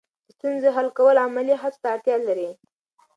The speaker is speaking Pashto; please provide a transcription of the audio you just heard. د ستونزو حل کول عملي هڅو ته اړتیا لري.